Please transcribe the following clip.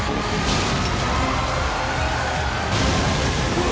うわ！